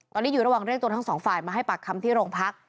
ตอนนี้อยู่ระหว่างเรียกตัวทั้งสองฝ่ายมาให้ปากคำที่โรงพัก